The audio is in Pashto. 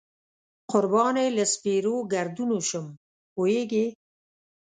قربان یې له سپېرو ګردونو شم، پوهېږې.